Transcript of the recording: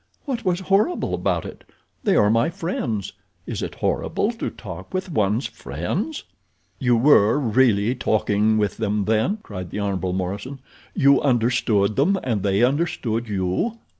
"What was horrible about it? They are my friends. Is it horrible to talk with one's friends?" "You were really talking with them, then?" cried the Hon. Morison. "You understood them and they understood you?"